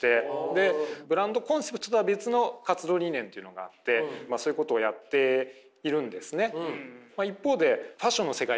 でブランドコンセプトとは別の活動理念というのがあってそういうことをやっているんですね。